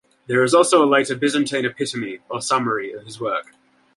There is also a later Byzantine epitome, or summary, of his work.